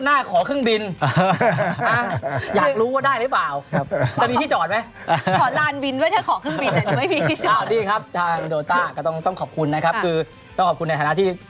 ไม่ธรรมดา